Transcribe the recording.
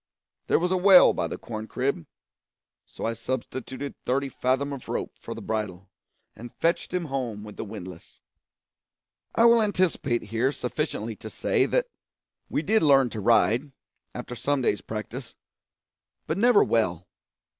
There was a well by the corn crib; so I substituted thirty fathom of rope for the bridle, and fetched him home with the windlass. I will anticipate here sufficiently to say that we did learn to ride, after some days' practice, but never well.